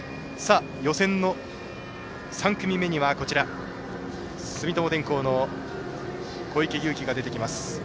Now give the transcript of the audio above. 予選の３組目には、住友電工の小池祐貴が出てきます。